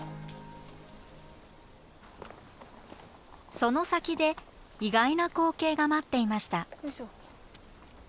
その先で意外な光景が待っていました。